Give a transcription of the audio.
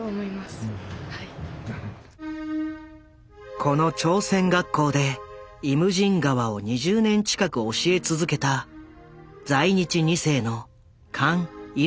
この朝鮮学校で「イムジン河」を２０年近く教え続けた在日２世のカン・イルスン。